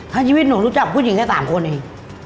ถ้าชีวิตหนูรู้จักผู้หญิงแค่๓คนเอง